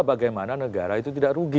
bagaimana negara itu tidak rugi